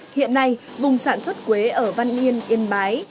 hiện nay vùng sản xuất quế ở văn yên yên bái